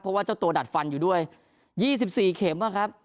เพราะว่าเจ้าตัวดัดฟันอยู่ด้วยยี่สิบสี่เข็มว่ะครับ